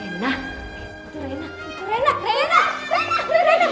aduh renan renan